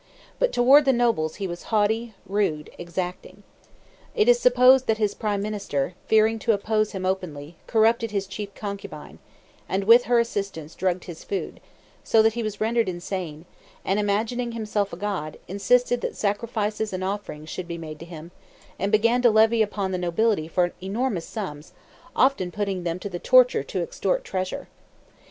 But toward the nobles he was haughty, rude, exacting. It is supposed that his prime minister, fearing to oppose him openly, corrupted his chief concubine, and with her assistance drugged his food; so that he was rendered insane, and, imagining himself a god, insisted that sacrifices and offerings should be made to him, and began to levy upon the nobility for enormous sums, often putting them to the torture to extort treasure.